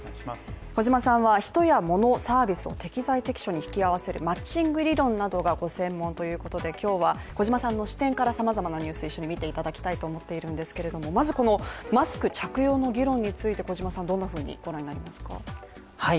物、サービスを適材適所に引き合わせるマッチング理論などがご専門ということで今日は小島さんの視点から様々なニュースを一緒に観ていただきたいと思っているんですけれどもまずこのマスク着用の議論について小島さんどんなふうにご覧になりますか。